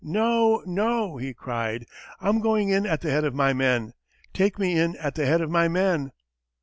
"No, no," he cried, "I'm going in at the head of my men! Take me in at the head of my men!"